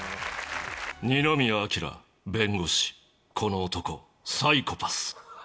二宮彰、弁護士、この男サイコパス。